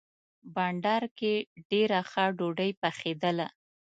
بانډار کې ډېره ښه ډوډۍ پخېدله.